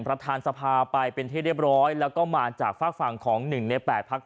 ประธานสภาไปเป็นที่เรียบร้อยแล้วก็มาจากฝากฝั่งของ๑ใน๘พัก